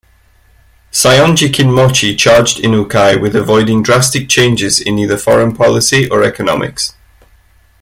Saionji Kinmochi charged Inukai with avoiding drastic changes in either foreign policy or economics.